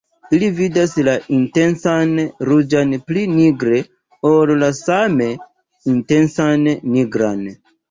Ili vidas la intensan ruĝan pli nigre ol la same intensan nigran.